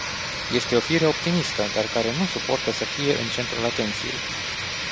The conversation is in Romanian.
Este o fire optimistă, dar care nu suportă să fie în centrul atenției.